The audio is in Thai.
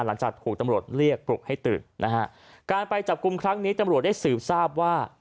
หลังจากถูกตำรวจเรียกปลุกให้ตื่นนะฮะการไปจับกลุ่มครั้งนี้ตำรวจได้สืบทราบว่า